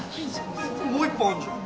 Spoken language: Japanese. もう一本あるじゃん！